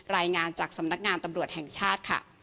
รายงานจากสำนักงานตำรวจแห่งชาติค่ะ